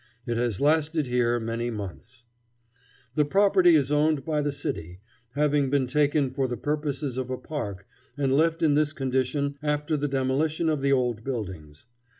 It has lasted here many months. "The property is owned by the city, having been taken for the purposes of a park and left in this condition after the demolition of the old buildings.